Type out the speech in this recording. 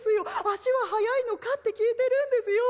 足は速いのかって聞いてるんですよ」。